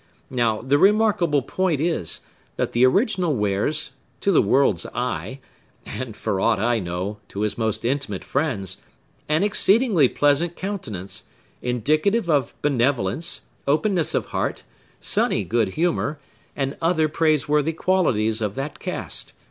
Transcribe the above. Now, the remarkable point is, that the original wears, to the world's eye,—and, for aught I know, to his most intimate friends,—an exceedingly pleasant countenance, indicative of benevolence, openness of heart, sunny good humor, and other praiseworthy qualities of that cast.